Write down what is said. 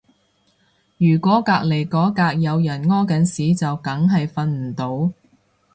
如果隔離嗰格有人屙緊屎就梗係瞓唔到